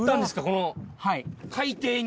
この海底に。